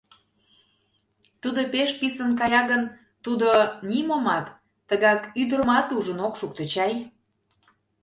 Тудо пеш писын кая гын, тудо нимомат, тыгак ӱдырымат ужын ок шукто чай.